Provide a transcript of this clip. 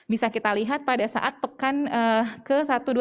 bisa kita lihat pada saat pekan ke satu dua tiga empat